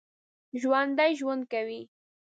ژوندي ژوند کوي